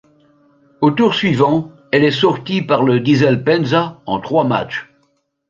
Au tour suivant, elle est sortie par le Dizel Penza en trois matchs.